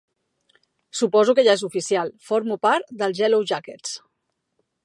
Suposo que ja és oficial: formo parts dels Yellowjackets!